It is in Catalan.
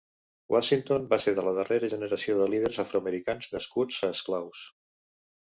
Washington va ser de la darrera generació de líders afroamericans nascuts esclaus.